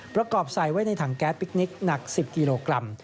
ประกอบใส่ไว้ในถังแก๊สพิคนิคหนัก๑๐กิโลกรัม